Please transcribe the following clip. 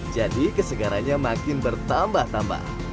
jadi kesegarannya makin bertambah tambah